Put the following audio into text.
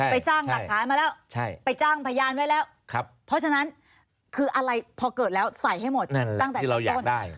ไปสร้างหลักฐานมาแล้วไปจ้างพยานไว้แล้วเพราะฉะนั้นคืออะไรพอเกิดแล้วใส่ให้หมดตั้งแต่ชั้นต้น